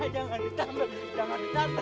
jangan ditambal jangan ditambal jangan ditambal